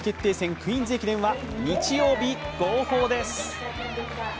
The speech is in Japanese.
クイーンズ駅伝は日曜日号砲です。